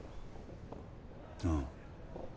ああ。